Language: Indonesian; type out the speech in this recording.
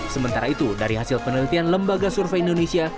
sementara itu dari hasil penelitian lembaga survei indonesia